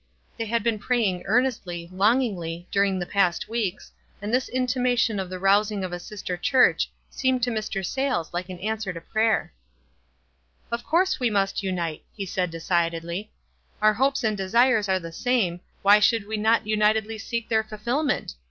They had been praying earnestly, longingly, during the past weeks, and this intimation of the rousing of a sister church seemed to Mr. Sayles like an answer to prayer. 314 WISE AND OTHERWISE. "Of course we must unite," he said, decided ly. " Our hopes and desires are the same, why should we not unitedly seek their fulfillment?